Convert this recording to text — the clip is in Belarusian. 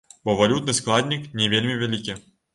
Бо валютны складнік не вельмі вялікі.